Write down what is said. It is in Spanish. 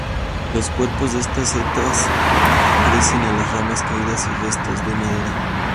Los cuerpos de estas setas crecen en las ramas caídas y restos de madera.